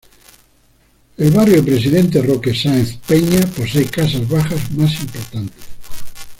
El Barrio Presidente Roque Saenz Peña posee casas bajas más importantes.